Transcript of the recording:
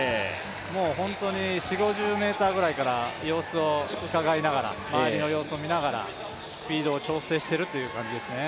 本当に４５ｍぐらいから様子をうかがいながら周りの様子を見ながらスピードを調整しているっていう感じですね。